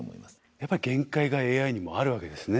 やっぱり限界がＡＩにもあるわけですね。